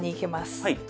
はい。